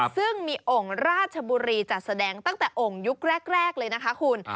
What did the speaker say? ซึ่งมีองค์ราชบุรีจัดแสดงตั้งแต่องค์ยุคแรกเลยนะคะคุณ